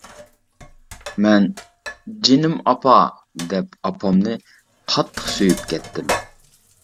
مەن «جېنىم ئاپا! » دەپ ئاپامنى قاتتىق سۆيۈپ كەتتىم.